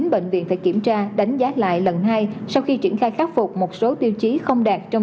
chín bệnh viện phải kiểm tra đánh giá lại lần hai sau khi triển khai khắc phục một số tiêu chí không đạt trong